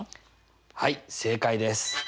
はい正解です！